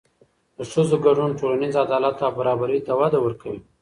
د ښځو ګډون ټولنیز عدالت او برابري ته وده ورکوي.